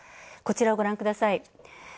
こちらをご覧ください。